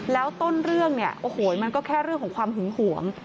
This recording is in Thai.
แล้วต้นเรื่องเนี่ยโอ้โหมันก็แค่เรื่องของความหึงหวง